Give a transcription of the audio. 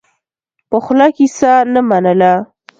پخلا کیسه نه منله.